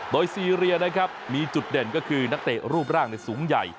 โดยซีเรียนะครับมีจุดเด่นก็คือนักเตะรูปร่างสูงใหญ่